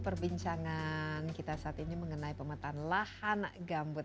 perbincangan kita saat ini mengenai pemetaan lahan gambut